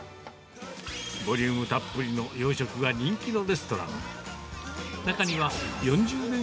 ボリュームたっぷりの洋食が人気のレストラン。